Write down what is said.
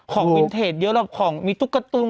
ของวินเทจเยอะแล้วของมีทุกตัว